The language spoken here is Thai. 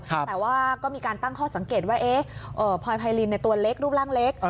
แต่ว่าก็มีการตั้งข้อสังเกตว่าพลอยไพรินตัวเล็กรูปร่างเล็ก